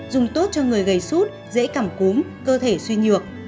dùng tốt cho người gầy sút dễ cảm cúm cơ thể suy nhược